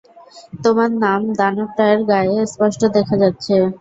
তোমার নাম দানবটার গায়ে স্পষ্ট দেখা যাচ্ছে।